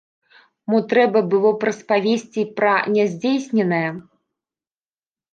Мо трэба было б распавесці пра няздзейсненае.